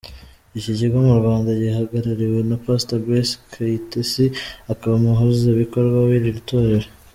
Iki kigo mu Rwanda gihagarariwe na Pastor Grace Kaitesi, akaba umuhuzabikorwa w’iri torero.